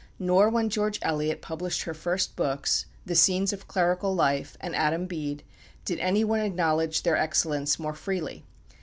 Nor when George Eliot published her first books, "The Scenes of Clerical Life" and "Adam Bede," did any one acknowledge their excellence more freely.